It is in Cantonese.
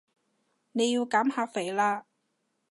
你要減下肥啦